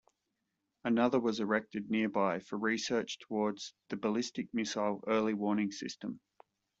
Another was erected nearby for research towards the Ballistic Missile Early Warning System.